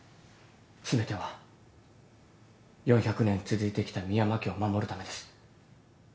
全ては４００年続いてきた深山家を守るためです。